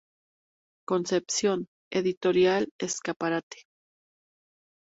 Concepción, Editorial Escaparate.